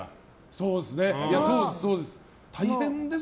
そうです。